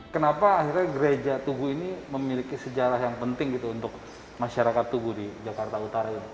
kenapa akhirnya gereja tugu ini memiliki sejarah yang penting gitu untuk masyarakat tugu di jakarta utara ini